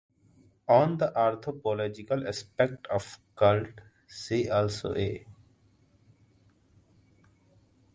On the anthropological aspect of the cult, see also A.